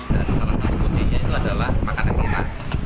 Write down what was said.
dan salah satu kuncinya itu adalah makan enak